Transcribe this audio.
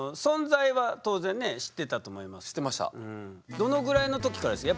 どのぐらいの時からですか？